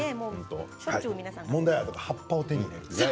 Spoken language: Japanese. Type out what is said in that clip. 問題なのは葉っぱを手に入れるとね。